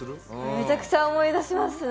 めちゃくちゃ思い出しますね。